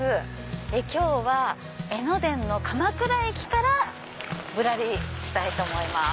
今日は江ノ電の鎌倉駅からぶらりしたいと思います。